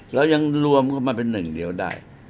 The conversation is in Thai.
แล้วยังรวมก็มาเป็น๑แต่งเดียวได้